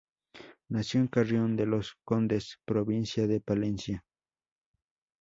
Nació en Carrión de los Condes, provincia de Palencia.